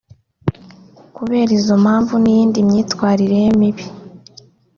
Kubera izo mpamvu n’iyindi myitwarire ye mibi